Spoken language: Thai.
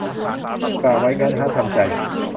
กะไว้งั้นฮะ ทำใจ